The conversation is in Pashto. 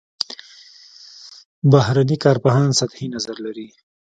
بهرني کارپوهان سطحي نظر لري.